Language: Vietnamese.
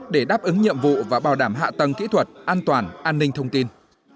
để đáp ứng nhiệm vụ và bảo đảm hạ tầng kỹ thuật an toàn an ninh thông tin